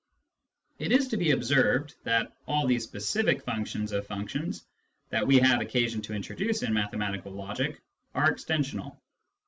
It is to be observed that all the specific functions of functions that we have occasion to introduce in mathematical logic are extensional.